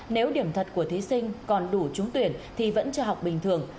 nếu điểm thật của thí sinh còn đủ trúng tuyển thì vẫn cho học bình thường